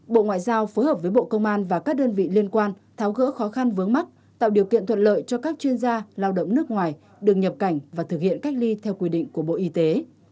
bộ ngoại giao phối hợp với bộ công an và các đơn vị liên quan tháo gỡ khó khăn vướng mắt tạo điều kiện thuận lợi cho các chuyên gia lao động nước ngoài được nhập cảnh và thực hiện cách ly theo quy định của bộ y tế